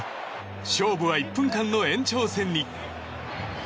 勝負は１分間の延長戦に。